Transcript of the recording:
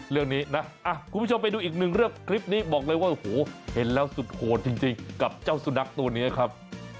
เรื่องนี้นะคุณผู้ชมไปดูอีกหนึ่งเรื่องคลิปนี้บอกเลยว่าโอ้โหเห็นแล้วสุดโหดจริงกับเจ้าสุนัขตัวนี้ครับ